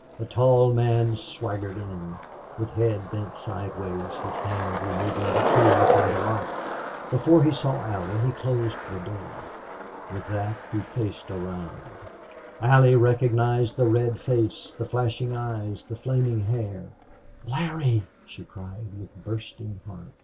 A tall man swaggered in, with head bent sideways, his hand removing the key from the lock. Before he saw Allie he closed the door. With that he faced around. Allie recognized the red face, the flashing eyes, the flaming hair. "Larry!" she cried, with bursting heart.